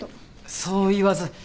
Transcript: そう言わず。